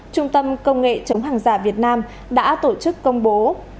trung tâm công nghệ chống hàng giả việt nam đã tổ chức công bố